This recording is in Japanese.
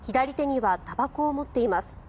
よく見ると左手にはたばこを持っています。